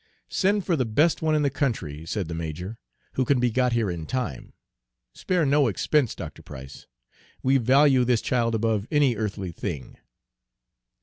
"Send for the best one in the country," said the major, "who can be got here in time. Spare no expense, Dr. Price. We value this child above any earthly thing."